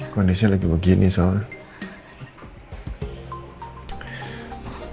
kondisinya lagi begini soalnya